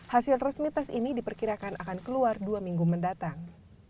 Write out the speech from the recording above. hasil resmi tes ini diperkirakan akan keluar dua minggu mendatang